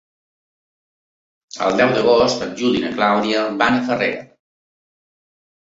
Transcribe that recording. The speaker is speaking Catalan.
El deu d'agost en Juli i na Clàudia van a Farrera.